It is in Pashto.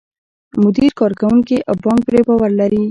مدیر، کارکوونکي او بانک پرې باور لري.